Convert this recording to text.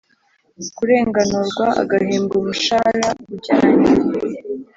Kurenganurwa agahembwa umushahara ujyanye